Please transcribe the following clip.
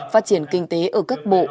phát triển kinh tế ở các bộ